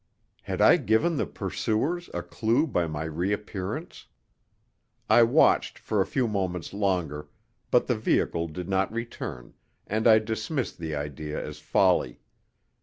Had I given the pursuers a clue by my reappearance? I watched for a few moments longer, but the vehicle did not return, and I dismissed the idea as folly.